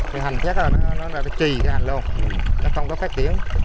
nó hành thét rồi nó trì cái hành lô nó không có phát tiến